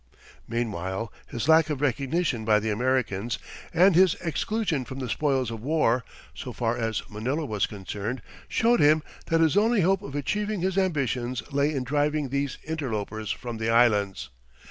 Meanwhile his lack of recognition by the Americans, and his exclusion from the spoils of war, so far as Manila was concerned, showed him that his only hope of achieving his ambitions lay in driving these interlopers from the Islands.